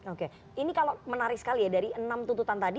oke ini kalau menarik sekali ya dari enam tuntutan tadi